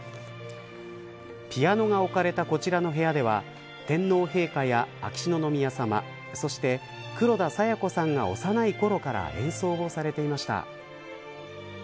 ピアノが置かれたこちらの部屋では天皇陛下や秋篠宮さまそして黒田清子さんが幼いころから演奏をされていました。